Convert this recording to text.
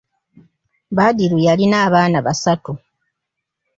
Badru yalina abaana basatu.